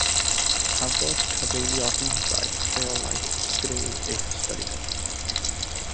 Cafodd cyfeiliornadau rheolaidd y sgriw eu hystyried.